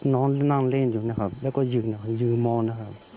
น้องนั่งเล่นอยู่นะครับแล้วก็ยืนมองนะครับ